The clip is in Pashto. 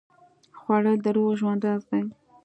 خوړل د روغ ژوند راز دی